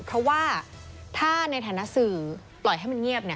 เพราะว่าถ้าในฐานะสื่อปล่อยให้มันเงียบ